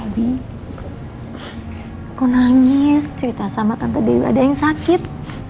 aku nangis cerita sama tante dewi ada yang sakit